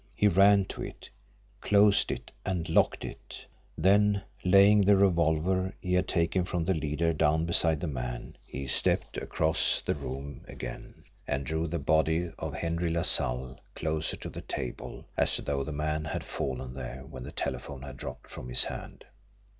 He ran to it, closed it, and LOCKED it; then, laying the revolver he had taken from the leader down beside the man, he stepped across the room again and drew the body of "Henry LaSalle" closer to the table as though the man had fallen there when the telephone had dropped from his hand.